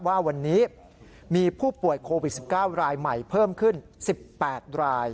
ว่าวันนี้มีผู้ป่วยโควิด๑๙รายใหม่เพิ่มขึ้น๑๘ราย